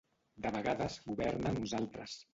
De vegades governen uns altres.